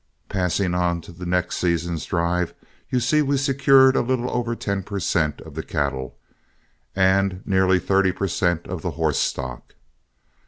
Passing on to the next season's drive, you see we secured a little over ten per cent. of the cattle and nearly thirty per cent. of the horse stock.